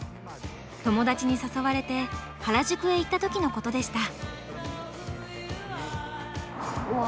友達に誘われて原宿へ行った時のことでした。